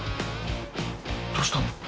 どうしたの？